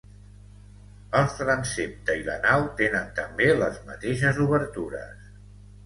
El transsepte i la nau tenen també les mateixes obertures.